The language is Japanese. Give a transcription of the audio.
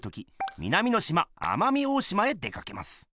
南のしま奄美大島へ出かけます。